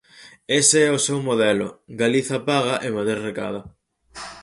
Ese é o seu modelo: Galiza paga e Madrid recada.